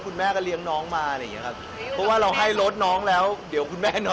อย่างนั้นว่าลูกคนเดียว